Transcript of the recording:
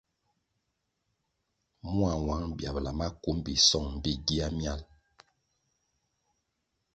Mua nwang biabla maku mbpi song mbpí gia miál.